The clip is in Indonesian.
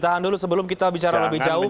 tahan dulu sebelum kita bicara lebih jauh